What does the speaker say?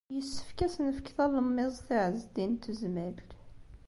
Yessefk ad as-nefk talemmiẓt i Ɛezdin n Tezmalt.